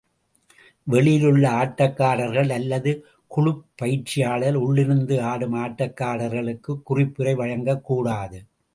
வெளியிலுள்ள ஆட்டக்காரர்கள் அல்லது குழுப் பயிற்சியாளர், உள்ளிருந்து ஆடும் ஆட்டக்காரர்களுக்குக் குறிப்புரை வழங்கக்கூடாது.